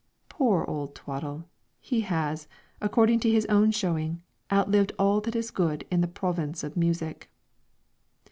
Poor old Twaddle! he has, according to his own showing, outlived all that is good in the province of music.